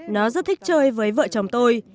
nó rất thích chơi với vợ chồng tôi